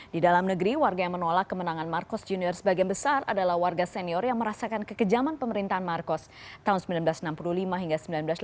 di dalam negeri warga yang menolak kemenangan marcos junior sebagian besar adalah warga senior yang merasakan kekejaman pemerintahan marcos tahun seribu sembilan ratus enam puluh lima hingga seribu sembilan ratus delapan puluh